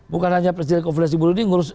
bukan hanya presiden konferensi buru ini ngurus